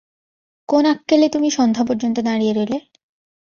কোন আক্কেলে তুমি সন্ধ্যা পর্যন্ত দাঁড়িয়ে রইলে!